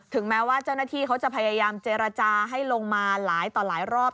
แม้ว่าเจ้าหน้าที่เขาจะพยายามเจรจาให้ลงมาหลายต่อหลายรอบ